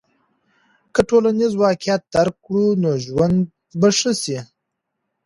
که ټولنیز واقعیت درک کړو نو ژوند به ښه سي.